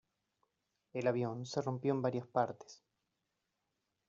El avión se rompió en varias partes.